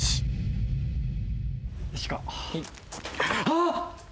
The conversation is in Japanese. あっ！